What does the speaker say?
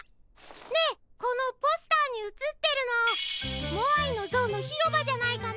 ねえこのポスターにうつってるのモアイのぞうのひろばじゃないかな？